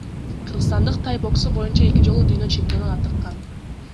Кыргызстандык тай боксу боюнча эки жолу дүйнө чемпиону атыккан.